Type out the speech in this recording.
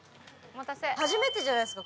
初めてじゃないですか？